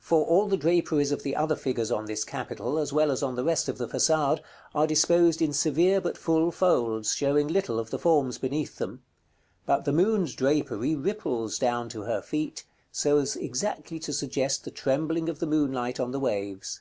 For all the draperies of the other figures on this capital, as well as on the rest of the façade, are disposed in severe but full folds, showing little of the forms beneath them; but the moon's drapery ripples down to her feet, so as exactly to suggest the trembling of the moonlight on the waves.